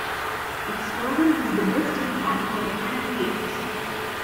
Its slogan was The Best in Fun from Canada Games.